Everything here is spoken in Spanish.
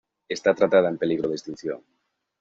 Está tratada en peligro de extinción.